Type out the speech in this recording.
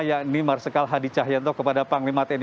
yakni marsikal hadi cahyanto kepada panglima tni